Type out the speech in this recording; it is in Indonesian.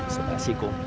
terima kasih kum